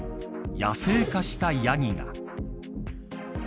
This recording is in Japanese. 野生化したヤギが。